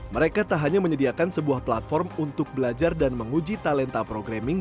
mereka tak hanya menyediakan sebuah platform untuk belajar dan menguji talenta programming